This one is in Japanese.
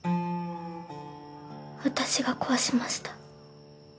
私が壊しました。